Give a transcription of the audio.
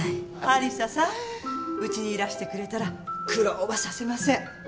有沙さんうちにいらしてくれたら苦労はさせません。